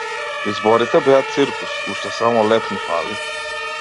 Изборите беа циркус, уште само леб ни фали.